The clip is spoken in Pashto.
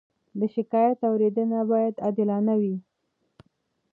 د شکایت اورېدنه باید عادلانه وي.